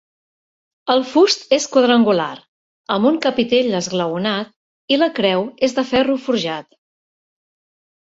El fust és quadrangular, amb un capitell esglaonat, i la creu és de ferro forjat.